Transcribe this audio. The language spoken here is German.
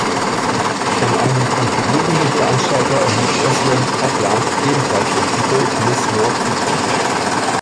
Von einem konkurrierenden Veranstalter erhielt "Özlem Kaplan" ebenfalls den Titel "Miss Nordzypern".